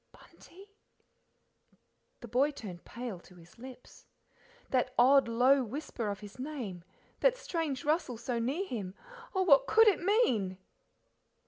"Bunty," The boy turned pale to his lips. That odd, low whisper of his name, that strange rustle so near him oh, what COULD it mean?